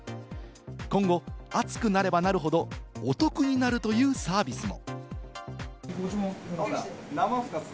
今後、暑くなればなるほど、お得になるというサービスも。